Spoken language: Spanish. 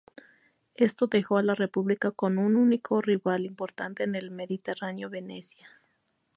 Esto dejó a la República con un único rival importante en el Mediterráneo: Venecia.